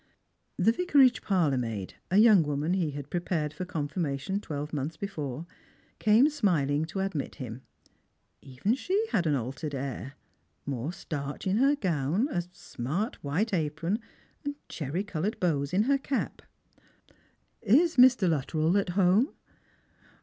The vicarage parlour maid — a young woman he had prepared for confirmation twelve months before — came smiling to admit him. Even she had an altered air — more starch in her gown, a emart white apron, cherry coloured bows in her cap. " Is Mr. Luttrell at houie